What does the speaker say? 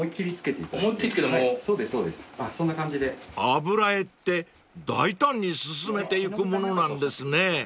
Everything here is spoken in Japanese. ［油絵って大胆に進めてゆくものなんですね］